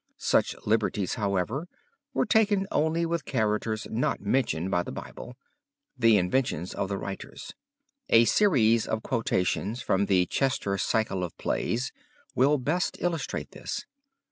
Such liberties, however, were taken only with characters not mentioned by the Bible the inventions of the writers. A series of quotations from the Chester Cycle of Plays will best illustrate this.